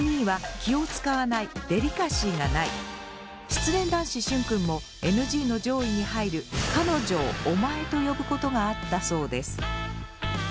第２位は失恋男子シュンくんもＮＧの上位に入る彼女を「お前」と呼ぶことがあったそうです。